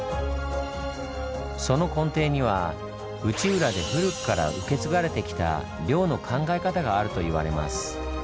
その根底には内浦で古くから受け継がれてきた漁の考え方があるといわれます。